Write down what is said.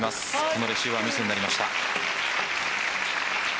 このレシーブはミスになりました。